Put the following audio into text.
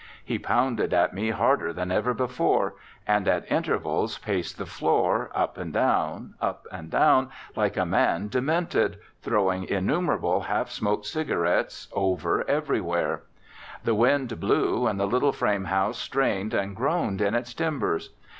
He pounded at me harder than ever before; and at intervals paced the floor, up and down, up and down, like a man demented, throwing innumerable half smoked cigarettes over everywhere. The wind blew, and the little frame house strained and groaned in its timbers.